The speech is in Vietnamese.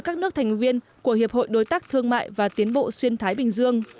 các nước thành viên của hiệp hội đối tác thương mại và tiến bộ xuyên thái bình dương